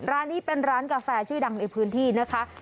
ร้านนี้เป็นร้านกาแฟชื่อดังในพื้นที่นะคะ